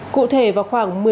cụ thể vào khoảng